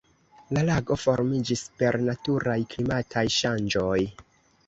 La lago formiĝis per naturaj klimataj ŝanĝoj.